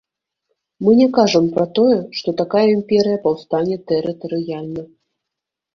Мы не кажам пра тое, што такая імперыя паўстане тэрытарыяльна.